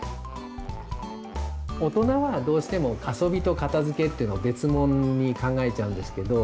大人はどうしても遊びと片づけっていうのは別もんに考えちゃうんですけど。